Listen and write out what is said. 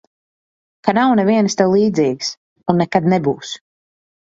Ka nav nevienas tev līdzīgas un nekad nebūs.